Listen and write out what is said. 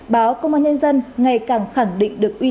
báo công an nhân dân ngày càng khẳng định được uy tín